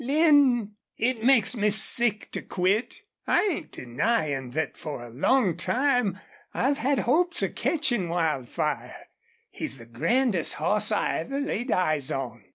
"Lin, it makes me sick to quit. I ain't denyin' thet for a long time I've had hopes of ketchin' Wildfire. He's the grandest hoss I ever laid eyes on.